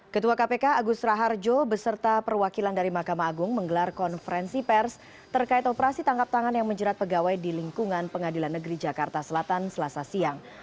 ketua kpk agus raharjo beserta perwakilan dari mahkamah agung menggelar konferensi pers terkait operasi tangkap tangan yang menjerat pegawai di lingkungan pengadilan negeri jakarta selatan selasa siang